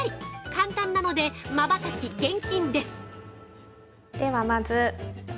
簡単なので、まばたき厳禁です！